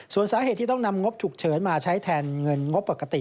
ส่วนสาเหตุที่ต้องนำงบฉุกเฉินมาใช้แทนเงินงบปกติ